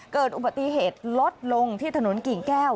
เกิดอุบัติเหตุลดลงที่ถนนกิ่งแก้ว